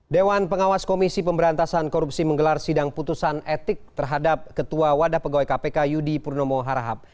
dewan pengawas komisi pemberantasan korupsi menggelar sidang putusan etik terhadap ketua wadah pegawai kpk yudi purnomo harahap